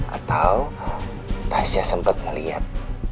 atau tasya sempet ngeliat